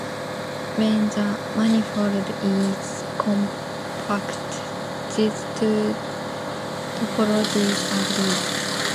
When the manifold is compact, these two topologies agree.